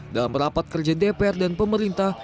dalam rapat kerja dpr dan pemerintah